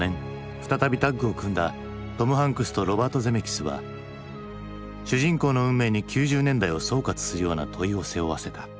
再びタッグを組んだトム・ハンクスとロバート・ゼメキスは主人公の運命に９０年代を総括するような問いを背負わせた。